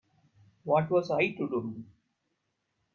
What was I to do?